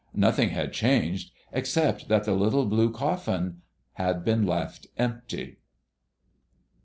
Nothing had changed, except that the little blue coffin had been left empty.